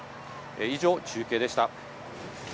以上、中継でした。